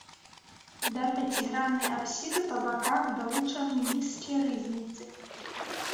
Да пяціграннай апсіды па баках далучаны нізкія рызніцы.